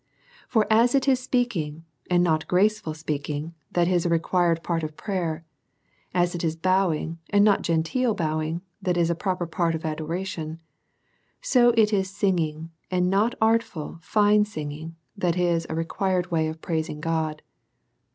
For as it is speaking, and not graceful speaking, that is a required part of prayer, as it is bowing, and not genteel bowing, that is a proper part of adoration^ so it is singing, and not ajtful fine singing, that is a re quired way of praising God.